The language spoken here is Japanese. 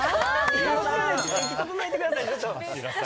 ちょっと息整えてください、ちょっと。